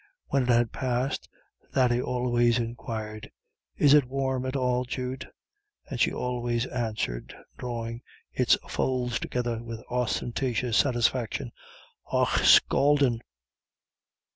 When it had passed Thady always inquired: "Is it warm at all, Jude?" and she always answered, drawing "its" folds together with ostentatious satisfaction: "Och scaldin'."